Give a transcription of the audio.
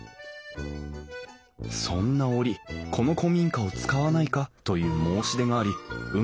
そんな折この古民家を使わないかという申し出があり運